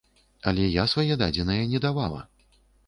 Але я свае дадзеныя не давала.